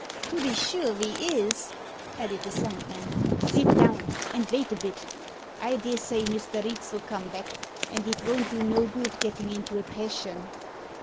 "To be sure ve is," added the Sandman. "Sit down, and vait a bit. I dessay Mr. Reeks'll come back, and it von't do no good gettin' into a passion."